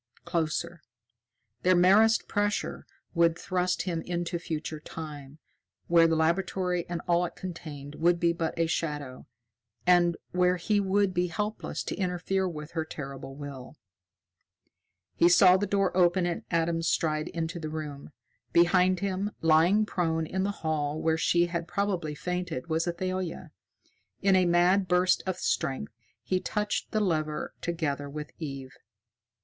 Closer. Their merest pressure would thrust him into Future Time, where the laboratory and all it contained would be but a shadow, and where he would be helpless to interfere with her terrible will. He saw the door open and Adam stride into the room. Behind him, lying prone in the hall where she had probably fainted, was Athalia. In a mad burst of strength he touched the lever together with Eve.